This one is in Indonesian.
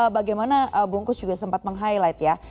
bagaimana bungkus juga sempat meng highlight ya